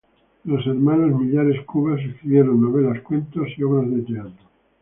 Los Hermanos Millares Cubas escribieron novelas, cuentos y obras de teatro.